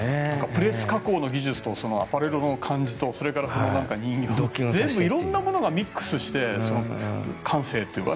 プレス加工の技術とアパレルの感じとそれから人形とか全部いろんな物がミックスして感性というか。